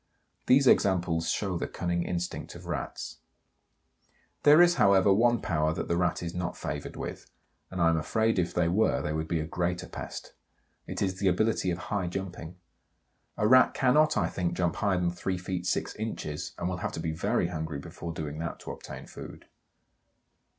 These examples show the cunning instinct of Rats. There is, however, one power that the Rat is not favoured with, and I am afraid if they were they would be a greater pest. It is the ability of high jumping. A Rat cannot, I think, jump higher than three feet six inches, and will have to be very hungry before doing that to obtain food.